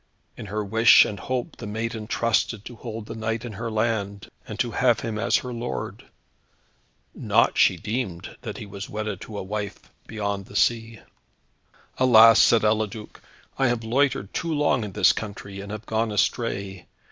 In her wish and hope the maiden trusted to hold the knight in her land, and to have him as her lord. Naught she deemed that he was wedded to a wife beyond the sea. "Alas," said Eliduc, "I have loitered too long in this country, and have gone astray.